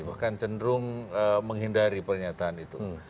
bahkan cenderung menghindari pernyataan itu